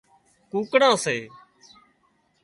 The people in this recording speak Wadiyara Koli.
ڪوڪڙان سي